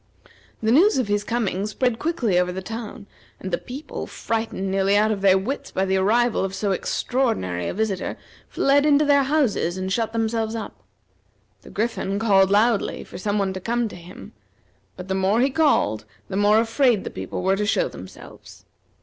The news of his coming spread quickly over the town, and the people, frightened nearly out of their wits by the arrival of so extraordinary a visitor, fled into their houses, and shut themselves up. The Griffin called loudly for some one to come to him, but the more he called, the more afraid the people were to show themselves.